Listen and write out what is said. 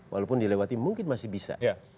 walaupun dilewati mungkin masih bisa